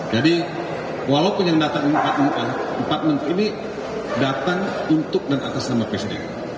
walaupun yang datang empat menteri ini datang untuk dan atas nama presiden